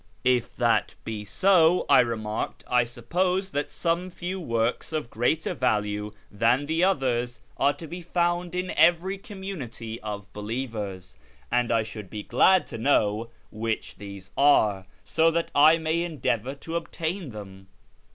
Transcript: " If that be so," I remarked, " I suppose that some few works of greater value than the others are to be found in every community of believers ; and I should be glad to know which these are, so that I may endeavour to obtain them."